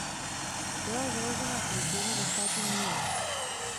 Byla založena v Brooklynu ve státě New York.